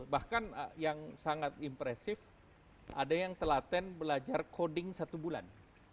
bahkan yang sangat impresif ada yang telaten belajar coding satu bulan